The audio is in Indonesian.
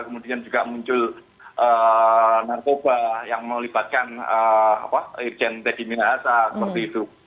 kemudian juga muncul narkoba yang melibatkan irjen teddy minahasa seperti itu